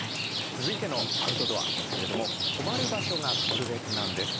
続いてのアウトドアですけれども泊まる場所が特別なんです。